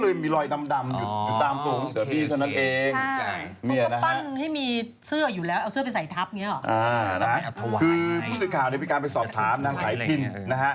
คือผู้สึกข่าวในวิการไปสอบถามนางสายพิณฑ์นะฮะ